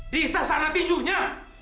di sasana tijunya